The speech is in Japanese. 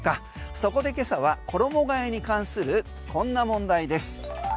そこで今朝は衣替えに関するこんな問題です。